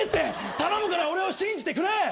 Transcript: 頼むから俺を信じてくれ！